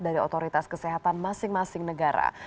dari otoritas kesehatan masing masing negara